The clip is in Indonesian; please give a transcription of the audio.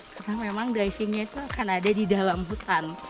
karena memang divingnya itu akan ada di dalam hutan